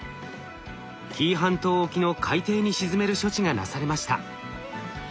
紀伊半島沖の海底に沈める処置がなされました。